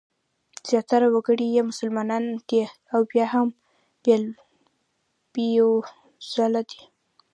زیاتره وګړي یې مسلمانان دي او بیا هم بېوزله دي.